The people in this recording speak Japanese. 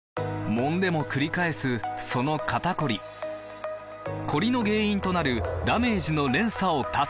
もんでもくり返すその肩こりコリの原因となるダメージの連鎖を断つ！